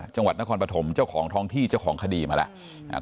จังหวัดนครปฐมเจ้าของท้องที่เจ้าของคดีมาแล้ว